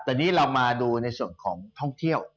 แต่นี่เรามาดูในส่วนของท่องเที่ยว